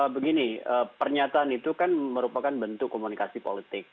begini pernyataan itu kan merupakan bentuk komunikasi politik